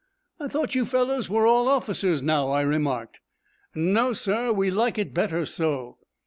'I thought you fellows were all officers now,' I remarked. 'No, sir, we like it better so.'